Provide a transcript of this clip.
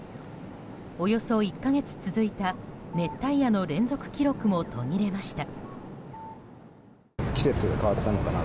およそ１か月続いた熱帯夜の連続記録も途切れました。